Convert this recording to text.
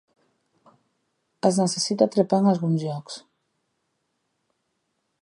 Es necessita trepar en alguns llocs.